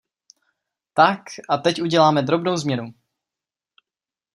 Tak, a teď uděláme drobnou změnu.